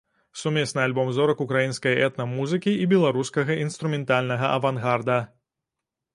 Сумесны альбом зорак украінскай этна-музыкі і беларускага інструментальнага авангарда.